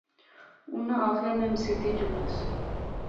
اُناں آخیا میں مسیتی اچ جلنس